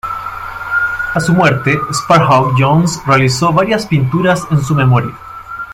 A su muerte, Sparhawk-Jones realizó varias pinturas en su memoria.